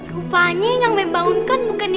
rupanya yang membangunkan bukan